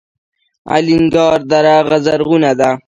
الینګار دره زرغونه ده؟